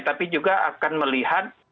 tapi juga akan melihat